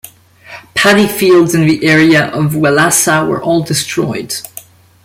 Paddy fields in the area of Wellassa were all destroyed.